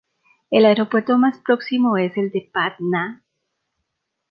El aeropuerto más próximo es el de Patna.